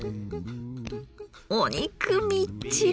お肉みっちり。